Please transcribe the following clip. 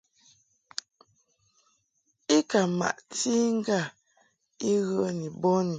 I ka maʼti i ŋgâ I ghə ni bɔni.